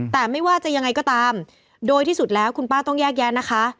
แต่ไม่ว่าจะยังไงก็ตามโดยที่สุดแล้วคุณป้าต้องแยกแยะนะคะ